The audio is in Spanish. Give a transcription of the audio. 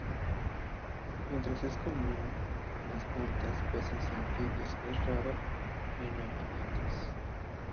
Mientras que es común en plantas, peces y anfibios, es raro en amniotas.